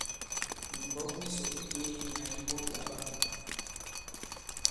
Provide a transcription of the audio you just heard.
Mìmbɔ̌k misò mi bwě yi nyàà yi ɓôt labâm.